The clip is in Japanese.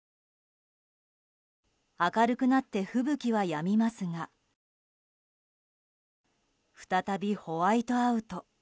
明るくなって吹雪はやみますが再びホワイトアウト。